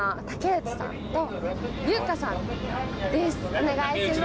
お願いします。